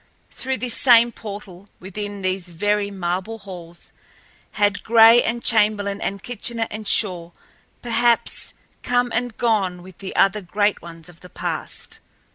Through this same portal, within these very marble halls, had Gray and Chamberlin and Kitchener and Shaw, perhaps, come and gone with the other great ones of the past.